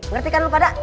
ngerti kan lo pada